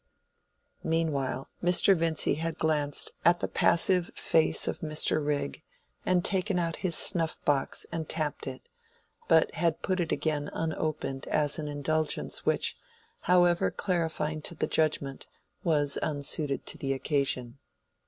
Meanwhile, Mr. Vincy had glanced at the passive face of Mr. Rigg, and had taken out his snuff box and tapped it, but had put it again unopened as an indulgence which, however clarifying to the judgment, was unsuited to the occasion.